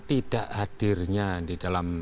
tidak hadirnya di dalam